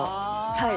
はい。